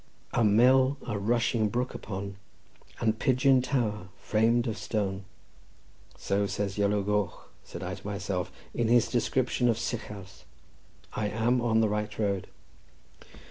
"A mill, a rushing brook upon, And pigeon tower fram'd of stone." "So says Iolo Goch," said I to myself, "in his description of Sycharth; I am on the right road."